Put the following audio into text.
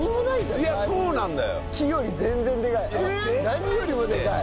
何よりもでかい。